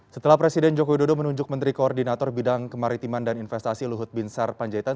setelah presiden joko widodo menunjuk menteri koordinator bidang kemaritiman dan investasi luhut binsar panjaitan